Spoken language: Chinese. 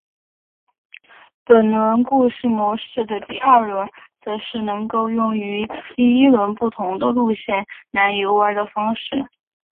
本作故事模式的第二轮则是能够用与第一轮不同的路线来游玩的方式。